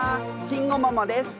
慎吾ママです。